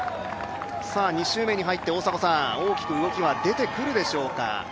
２周目に入って大きく動きは出てくるでしょうか。